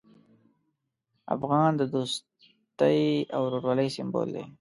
افغان د دوستي او ورورولۍ سمبول دی.